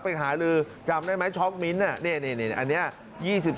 ไปหาลือจำได้ไหมช็อกมิ้นท์อันนี้